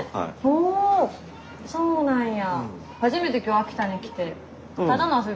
おそうなんや。